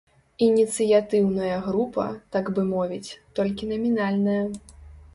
Ініцыятыўная група, так бы мовіць, толькі намінальная.